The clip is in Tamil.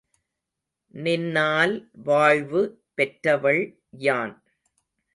நின்னால் வாழ்வு பெற்றவள் யான்.